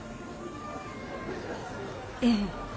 ええ。